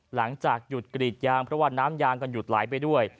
หลังจากหยุดกรีดยางเพราะว่าน้ำยางก็หยุดไหลไปด้วย